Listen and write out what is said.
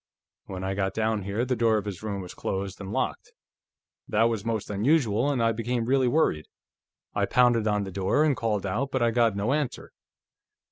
"When I got down here, the door of this room was closed and locked. That was most unusual, and I became really worried. I pounded on the door, and called out, but I got no answer.